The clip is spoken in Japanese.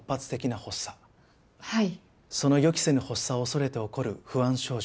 その予期せぬ発作を恐れて起こる不安症状。